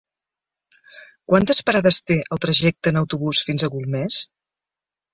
Quantes parades té el trajecte en autobús fins a Golmés?